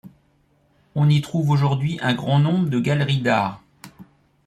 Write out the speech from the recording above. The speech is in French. On y trouve aujourd'hui un grand nombre de galeries d’art.